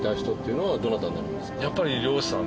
やっぱり。